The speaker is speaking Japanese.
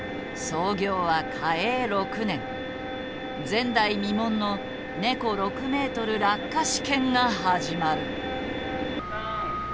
前代未聞のネコ６ｍ落下試験が始まる。